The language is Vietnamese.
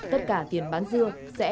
tất cả tiền bán dưa sẽ